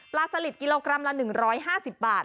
สลิดกิโลกรัมละ๑๕๐บาท